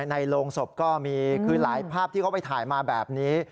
ในโรงศพก็มีคือหลายภาพที่เขาไปถ่ายมาแบบนี้